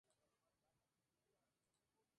Sólo soy un hombre que ama la Palabra de Dios".